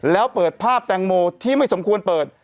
แล้วเปิดภาพแตงโมที่ไม่สมควรเปิด